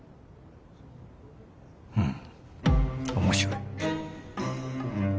うん面白い。